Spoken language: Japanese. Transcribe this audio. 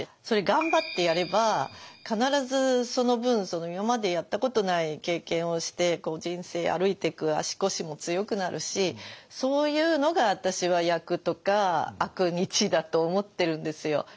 それ頑張ってやれば必ずその分今までやったことない経験をして人生歩いてく足腰も強くなるしそういうのが私は厄とか悪日だと思ってるんですよ。